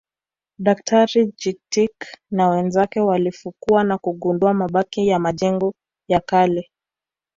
Daktari Chittick na wenzake walifukua na kugundua mabaki ya majengo ya kale